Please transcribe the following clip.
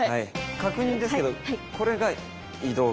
確認ですけどこれが移動基本。